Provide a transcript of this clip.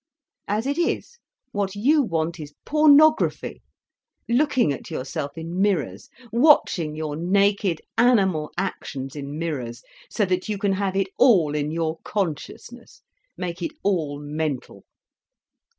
As it is, what you want is pornography—looking at yourself in mirrors, watching your naked animal actions in mirrors, so that you can have it all in your consciousness, make it all mental."